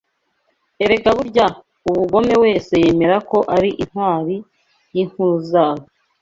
Erega burya, umugome wese yemera ko ari intwari yinkuru zabo